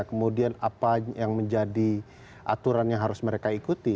kemudian apa yang menjadi aturan yang harus mereka ikuti